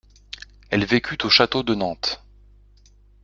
Elle vécut au château de Nantes.